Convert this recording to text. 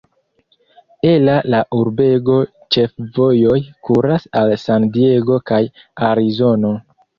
Ela la urbego ĉefvojoj kuras al San Diego kaj Arizono.